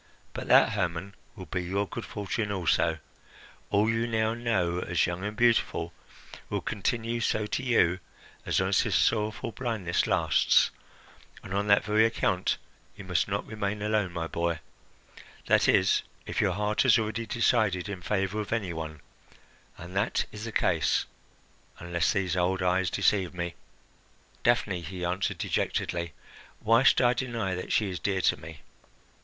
But that, Hermon, will be your good fortune also. All you now know as young and beautiful will continue so to you as long as this sorrowful blindness lasts, and on that very account you must not remain alone, my boy that is, if your heart has already decided in favour of any one and that is the case, unless these old eyes deceive me." "Daphne," he answered dejectedly, "why should I deny that she is dear to me?